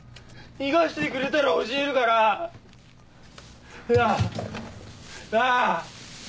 逃がしてくれたら教えるから！なぁ！